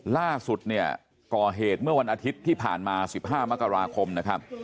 ล่าสุดเนี่ยก่อเหตุเมื่อวันอาทิตย์ที่ผ่านมา๑๕มกราคมนะครับ